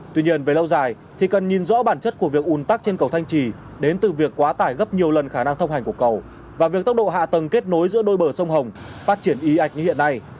tuy nhiên về lâu dài thì cần nhìn rõ bản chất của việc un tắc trên cầu thanh trì đến từ việc quá tải gấp nhiều lần khả năng thông hành của cầu và việc tốc độ hạ tầng kết nối giữa đôi bờ sông hồng phát triển y ạch như hiện nay